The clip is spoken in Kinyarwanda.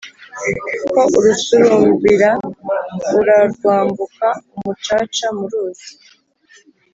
Ko urusurumbira urarwambuka ?-Umucaca mu ruzi.